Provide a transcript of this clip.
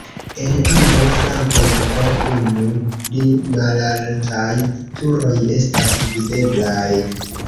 En ambaŭ flankoj po unu pli malaltaj turoj estas videblaj.